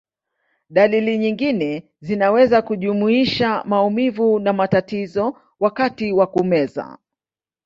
Dalili nyingine zinaweza kujumuisha maumivu na matatizo wakati wa kumeza.